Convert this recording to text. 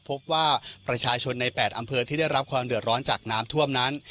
พบว่าประชาชนใน๘อำเภอที่ได้รับความเดือดร้อนจากน้ำท่วมนั้น